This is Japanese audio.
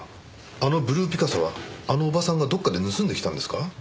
あのブルーピカソはあのおばさんがどこかで盗んできたんですか？